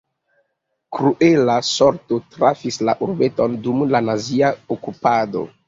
Kruela sorto trafis la urbeton dum la nazia okupado.